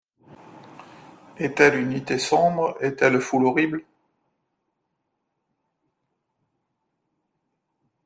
Est-elle unité sombre ? est-elle foule horrible ?